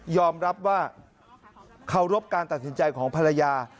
รับว่าเคารพการตัดสินใจของภรรยา